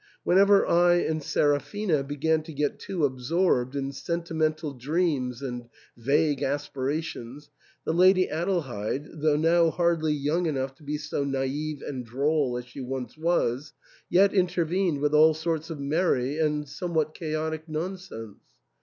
Whenever I and Seraphina began to get too absorbed in senti mental dreams and vague aspirations, the Lady Adel heid, though now hardly young enough to be so naive and droll as she once was, yet intervened with all sorts of merry and somewhat chaotic nonsense.